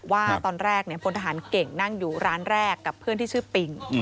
ว่าตอนแรกพลทหารเก่งนั่งอยู่ร้านแรกกับเพื่อนที่ชื่อปิง